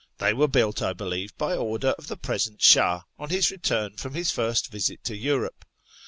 They were built, I believe, by order of the present Shah on his return from his first visit to Europe.